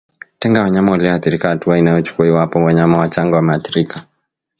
Tenga wanyama walioathirika hatua inayochukuliwa iwapo wanyama wachanga wameathirika